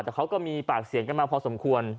แต่เขาก็มีปากเสียงกันมาพอสมควร